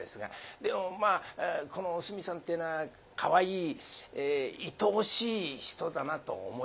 でもまあこのおすみさんってえのはかわいいいとおしい人だなと思います。